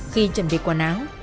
khi chuẩn bị quản áo